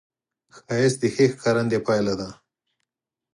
ښایست د ښې ښکارندې پایله ده